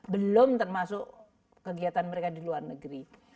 belum termasuk kegiatan mereka di luar negeri